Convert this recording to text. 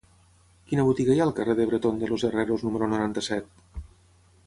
Quina botiga hi ha al carrer de Bretón de los Herreros número noranta-set?